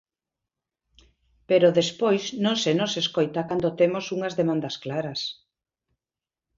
Pero despois non se nos escoita cando temos unhas demandas claras.